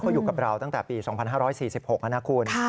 เขาอยู่กับเราตั้งแต่ปี๒๕๔๖นะคุณ